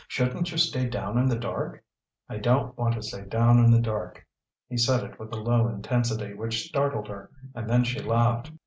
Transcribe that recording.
Shouldn't you stay down in the dark?" "I don't want to stay down in the dark!" he said it with a low intensity which startled her, and then she laughed.